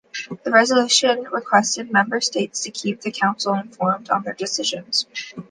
The Resolution requested Member States to keep the Council informed on their decisions.